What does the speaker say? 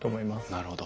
なるほど。